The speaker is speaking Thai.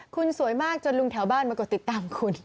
คุณสวยมากจนลุงแถวบ้านมากดติดตามคุณ